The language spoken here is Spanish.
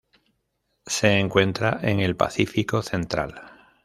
Se encuentra en el Pacífico central.